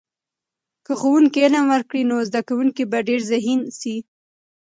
که ښوونکی علم ورکړي، نو زده کونکي به ډېر ذهین سي.